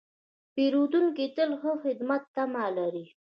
پیرودونکی تل د ښه خدمت تمه لري.